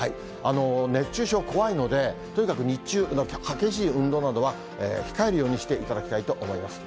熱中症、怖いので、とにかく日中、激しい運動などは控えるようにしていただきたいと思います。